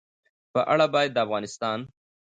په اړه باید د افغانستان